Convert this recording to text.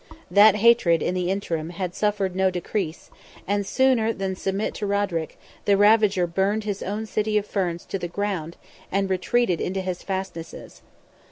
That hatred, in the interim, had suffered no decrease, and sooner than submit to Roderick, the ravager burned his own city of Ferns to the ground, and retreated into his fastnesses.